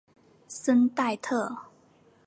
桑代特。